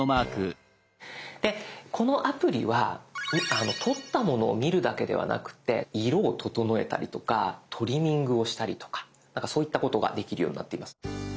でこのアプリは撮ったものを見るだけではなくて色を整えたりとかトリミングをしたりとかそういったことができるようになっています。